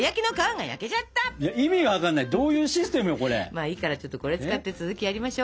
まあいいからちょっとこれ使って続きやりましょ。